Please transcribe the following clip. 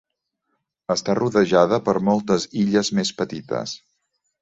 Està rodejada per moltes illes més petites.